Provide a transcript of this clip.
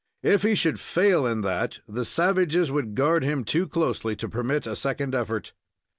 If he should fail in that, the savages would guard him too closely to permit a second effort.